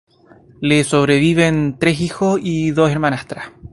Le sobreviven tres hijos y dos hermanastras.